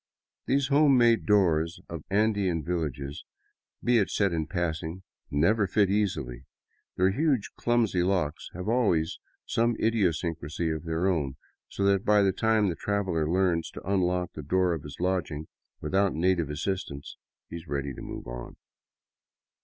These home made doors of Andean villages, be it said in passing, never fit easily; their huge clumsy locks have always some idiosyncrasy of their own, so that by the time the traveler learns to unlock the door of his lodging without native as sistance, he is ready to move on.